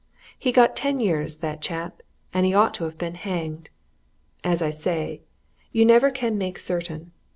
he got ten years, that chap, and he ought to have been hanged. As I say, you never can make certain.